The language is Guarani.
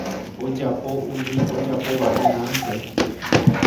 Ojapo umi ojapovaʼerãnte.